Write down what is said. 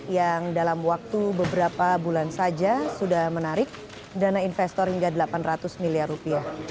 yang dalam waktu beberapa bulan saja sudah menarik dana investor hingga delapan ratus miliar rupiah